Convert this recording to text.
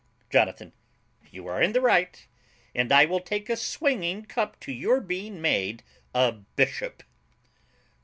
JONATHAN. You are in the right; and I will take a swinging cup to your being made a bishop.